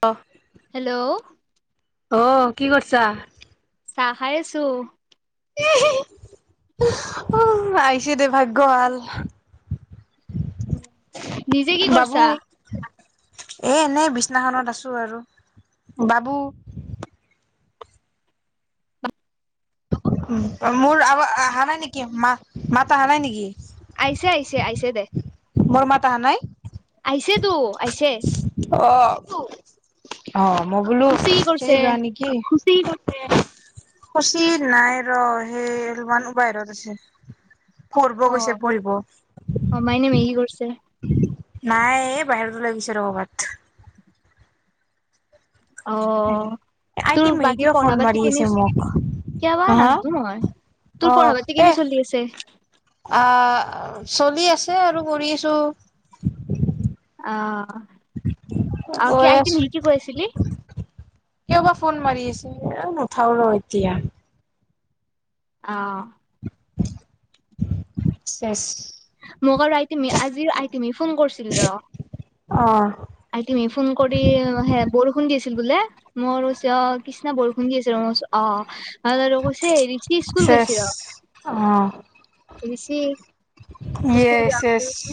অ hello অ কি কৰিছা চাহ খাই আছো। উ আহিছে দে ভাগ্যভাল নিজে কি কৰিছা এ এনেই বিছনাখনত আছো আৰু বাবু মোৰ আ অহা নাই নেকি মা মাত অহা নাই নেকি? আহিছে আহিছে আহিছে দে মোৰ মাত আহা নাই। আহিছেতো অ অ মই বোলো খুচি কি কৰিছে সেই বৰা নেকি খুচি নাই ৰ সেই অলপমান বাই ৰত আছে কৰব অ গৈছে পঢ়িব অ মাইনে মেগী কৰিছে নাই এই বাহিৰত ওলাই গৈছে কৰবাত অ তোৰ আইটি বাকী মেহেকে পঢ়া ফোন পাতি মাৰি কেনে আছে মোক কিয়াবা হ হা নাজনো নহয় তোৰ অ পঢ়া পাতি এ কেনে চলি আছে আহ চলি আছে তাকে আৰু কৰি আছো। আহ অ আৰু কি গৈ আইট আছো নিহকি কৈছিলি কিয় বা ফোন মাৰি আছে? এ নুঠাও ৰ এতিয়া। অ'। চেচ। মোক আৰু আইটিমি আজিৰ আইটিমি ফোন কৰিছিল ৰ। অ আইটিমি ফোন কৰি হে বৰষুণ দিছিল। বোলে, মই অ' কৃষ্ণা বৰষুণ দি আছে। মই কৈছোঁ অ'। [unintelligible] আৰু কৈছে, ঋষি স্কুল চেচ গৈছে ৰ। অ ঋষি ইয়ে স্কুল যাম চেচ কৈছোঁ।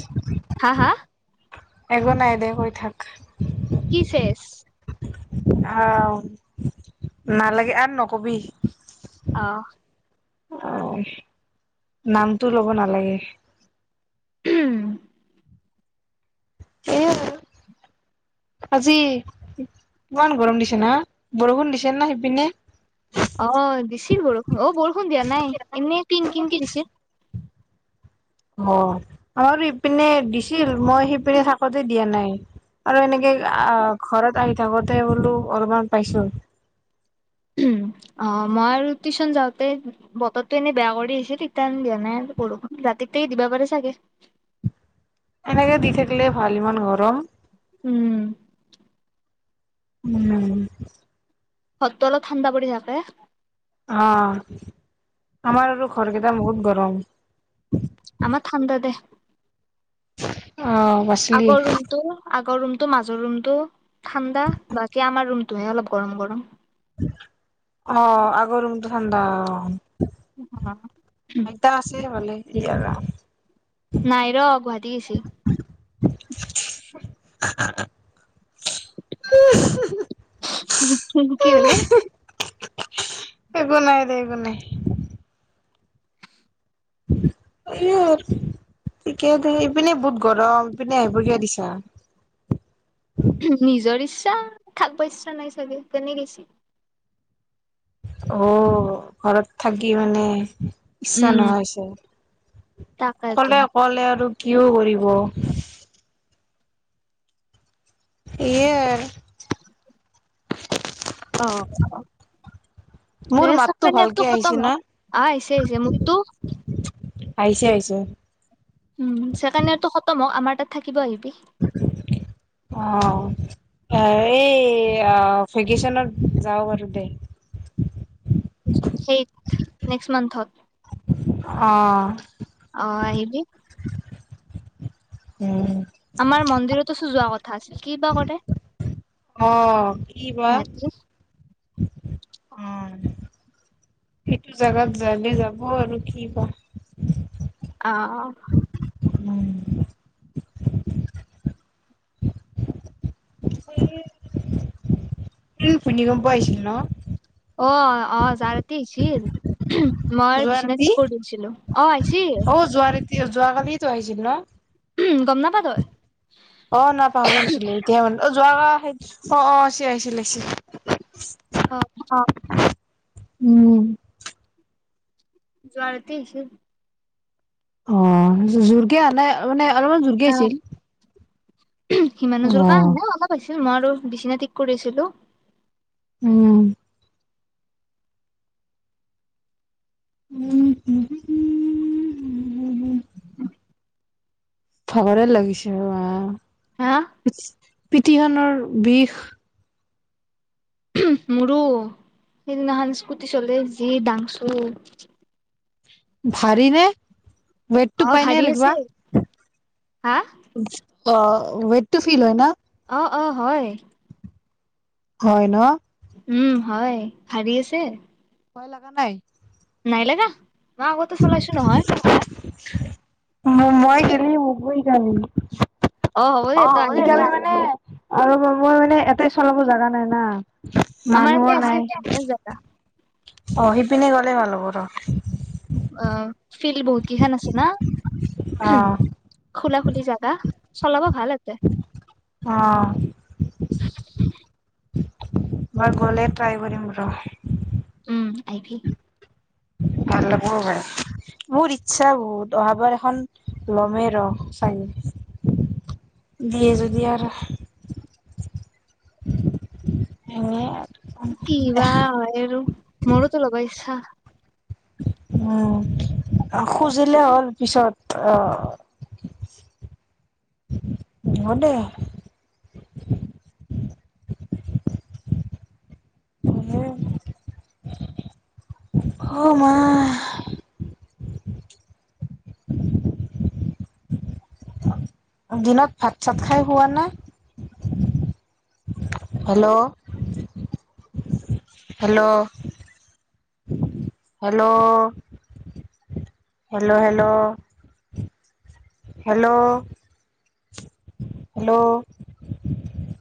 হা হা। একো নাই দে, কৈ থাক। কি চেছ? আ। নালাগে আৰু নকবি। অ'। অ', নামটো ল'ব নালাগে। [unintelligible] সেয়াই আৰু। আজি, ইমান গৰম দিছে না? বৰষুণ দিছে না সিপিনে? অ' দিছিল বৰষুণ। অ' বৰষুণ দিয়া নাই, এনেই কিনকিনকে দিছে। অ' আমাৰ ইপিনে দিছিল। মই সিপিনে থাকোতে দিয়া নাই। আৰু এনেকে আ ঘৰত আহি থাকোতে বোলো অলপমান পাইছো। অ' মই আৰু টিউচন যাওঁতে বতৰটো এনে বেয়া কৰি আহিছে। তিতা দিয়া নাই বৰষুণ, ৰাতিতে দিবা পাৰে চাগে। এনেকে দি থাকিলে ভাল, ইমান গৰম। উম। উম। ঘৰটো অলপ ঠাণ্ডা পৰি থাকে। অ'। আমাৰ আৰু ঘৰকেইটা বহুত গৰম। ৰং আমাৰ ঠাণ্ডা দে অ বাচলি আগৰ ৰুমটো, আগ আগৰ ৰুমটো, মাজৰ ৰুমটো ঠাণ্ডা। বাকী আমাৰ ৰুমটোহে অলপ গৰম-গৰম। অ' আগৰ ৰুমটো ঠাণ্ডা। আইতা আছে ভালে। জিয়াৰা। নাই ৰ, গুৱাহাটী গেইছে। [inaudible] কি হ'লে? একো নাই দে, একো নাই। [unintelligible] ঠিকে দে। ইপিনে বহুত গৰম, ইপিনে আহিব কিয়া দিছা? নিজৰ ইচ্ছা, থাকবা ইচ্ছা নাই চাগে। কেনে গেছি অ' ঘৰত থাকি মানে ইচ্ছা উম, নোহোৱা হৈছে। তাকেইতো। অকলে অকলে আৰু। কিয় কৰিব। এয়। অ মোৰ চো মাতটো নেটটো ভালকে আহিছে খতম হ না আহ আহিছে আহিছে মোকতটো। আহিছে আহিছে। উম ছেকেণ্ড নেটটো খতম অ আমাৰ তাত থাক। কিবা আহিবি। অ এই এ ভেকেশচনত যাওঁ বাৰু দে। সেই নেক্সট মানথত। অ অ আহিবি হুম হুম হুম হুম উম। আমাৰ মন্দিৰতোচো যোৱা কথা আছিল কি বা কৰে। আহ কি বা। এহেতি অ সেইটো জাগাত জালে যাব আৰু কি ক। অ' উম। ভূমিকম্প আইিছিল ন। অ অ চাগে। তি আহছিল হুম মই যোৱা বিচনা ৰাতি ঠিক কৰি দিছিলো অ আহিছিল। কিয় যোৱাকালি তো আহিছিল ন। উম গম নাপাওতয়। অ না পাহৰি গৈছিলে এতিয়া মানে। যোৱা অ অ চি আহিছিল আহিছিল। অ উম চু জোৱাৰা তি আহিছে। অ জোৰকে য়ানে মানে। অলপমান জৰ্গী আছিল। [unintelligible] ওম সিমানো যোৰ কাহ ন অলপ। আহিছে ম আৰু বিচিনা ঠিক কৰিছিলো। উম উম হু হু হু হু হহ ভাগৰে লাগিছে আহ হা ইছ পিঠিখনৰ বিষ মোৰো সেইদিনাখন স্কুটি চলে যি দাংছো। ভাৰি ৰে। অ ৱেততো পাই নে ভাৰী আছে লেকোৱা। হা অ' ৱেটটো ফিল হয় ন অ' অ' হয় হয় ন উম হয় ভাৰী আছে অ' লগা পাই নেলেগা ম আগতো চলাইছো নহয় উ মই গেলি মুগৈ জানি হ'ব দে অ' তই আহিবি মানে আৰু বা মই মানে এটাই চলাব জাগা নাই না আমাৰতে আছিল জেগা অহ সিপিনে গ'লেই ভাল হ'ব ৰ অ' ফিল্ড বহুত কেইখন আছে না অ খোলা খুলি জাগা চলা ব অহ বাৰ গ'লে ট্ৰাই কৰিম ৰ উম আহিবি ভাল লাগ ভ মোৰ ইচ্ছা বহুত অহাবাৰ এখন লমে ৰ চাই দিয়ে যদি আৰু এনেই কিৱা হয় আৰু মোৰো ত লগাই ছা উম খুজিলে হ'ল পিছত আহ হ দেই অ' মা দিনত ভাত চাত খাই হোৱা নাই hello hello hello hello hello hello hello